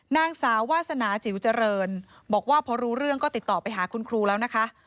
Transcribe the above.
นางสาววาสนาจิ๋วเจริญบอกว่าพอรู้เรื่องก็ติดต่อไปหาคุณครูแล้วนะคะ